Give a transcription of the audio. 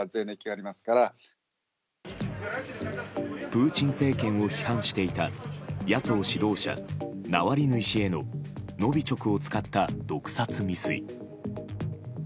プーチン政権を批判していた野党指導者、ナワリヌイ氏へのノビチョクを使った毒殺未遂。